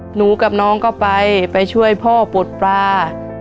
หนูกับน้องก็ไปไปช่วยพ่อปลดปลา